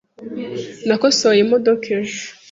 Nakosoye imodoka ejo .